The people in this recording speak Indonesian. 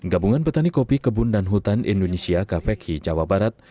gabungan petani kopi kebun dan hutan indonesia kafeki jawa barat